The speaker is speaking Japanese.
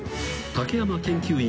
［竹山研究員